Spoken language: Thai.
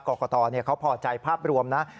กรกตเขาพอใจภาพรวมนะ